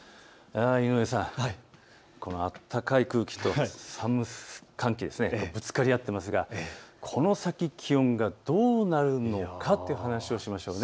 井上さん、この暖かい空気と寒気、ぶつかり合っていますがこの先、気温どうなるのかという話をしましょう。